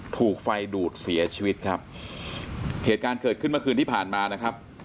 ถูกไฟดูดเสียชีวิตครับเหตุการณ์เกิดขึ้นเมื่อคืนที่ผ่านมานะครับ